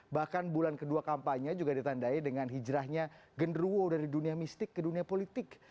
bahkan bulan kedua kampanye juga ditandai dengan hijrahnya genderuo dari dunia mistik ke dunia politik